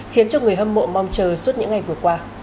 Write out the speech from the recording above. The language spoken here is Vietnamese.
khiến cho người hâm mộ mong chờ suốt những ngày vừa qua